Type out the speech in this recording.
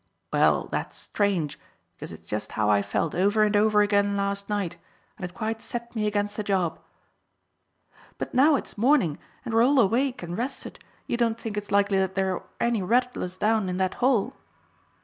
"Well, that's strange, because it's just how I felt over and over again last night, and it quite set me against the job." "But now it is morning and we're all awake and rested you don't think it's likely that there are any rattlers down in that hole?"